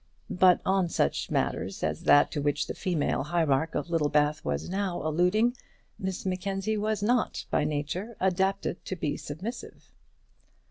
But on such matters as that to which the female hierarch of Littlebath was now alluding, Miss Mackenzie was not by nature adapted to be submissive.